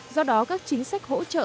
do đó các chính sách hỗ trợ